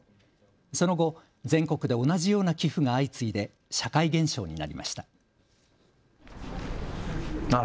その後、全国で同じような寄付が相次いで社会現象になりました。